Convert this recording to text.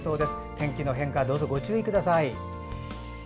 天気の変化、どうぞご注意ください。